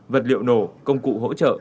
vật liệu nổ công cụ hỗ trợ